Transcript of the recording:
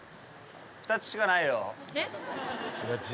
２つしかないよ。